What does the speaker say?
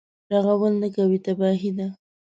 رغول نه کوي تباهي ده.